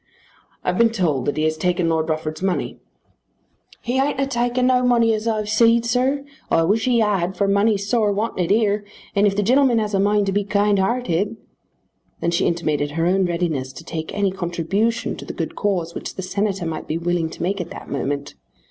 "I've been told that he has taken Lord Rufford's money." "He ain't 'a taken no money as I've seed, sir. I wish he had, for money's sore wanted here, and if the gen'leman has a mind to be kind hearted " Then she intimated her own readiness to take any contribution to the good cause which the Senator might be willing to make at that moment.